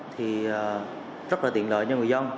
thì rất là tiện lợi cho người dân